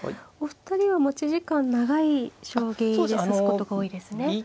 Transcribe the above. お二人は持ち時間長い将棋を指すことが多いですね。